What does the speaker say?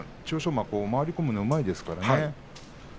馬は回り込むのがうまいですからね。